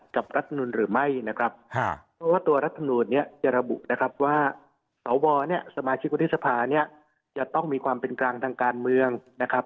ชิงวัลสถิกุธิสภาบัยเนี่ยจะต้องมีความเป็นกลางทางการเมืองนะครับ